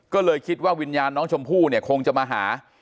ก็เลยคิดว่าวิญญาณน้องชมพู่เนี่ยคงจะมาหา